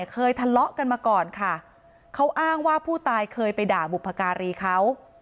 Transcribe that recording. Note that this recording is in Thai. เคยทะเลาะกันมาก่อนค่ะเขาอ้างว่าผู้ตายเคยไปด่าบุพการีเขา